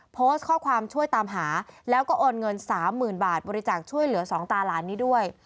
โพสต์ข้อความช่วยตามหาแล้วก็โอนเงินสามหมื่นบาทบริจาคช่วยเหลือสองตาหลานนี้ด้วย